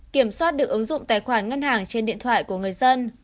kiểm soát được ứng dụng tài khoản ngân hàng trên điện thoại của người dân